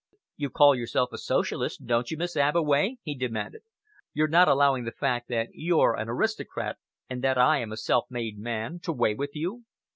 "You, call yourself a Socialist, don't you, Miss Abbeway?" he demanded. "You're not allowing the fact that you're an aristocrat and that I am a self made man to weigh with you?"